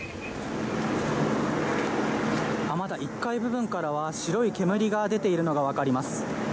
まだ１階部分からは白い煙が出ているのが分かります。